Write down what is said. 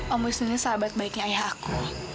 om bus ini sahabat baiknya ayah aku